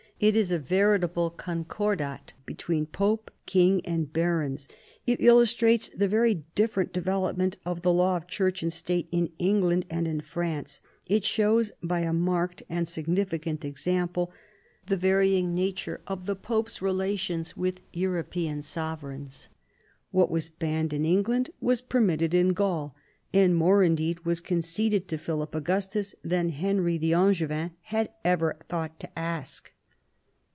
It is a veritable concordat between Pope, king, and barons. It illustrates the very different development of the law of Church and State in England and in France. It shows, by a marked and significant example, the varying nature of the Pope's relations with European 116 PHILIP AUGUSTUS chap. sovereigns. What was banned in England was per mitted in Gaul, and more indeed was conceded to Philip Augustus than Henry the Angevin had ever thought to ask.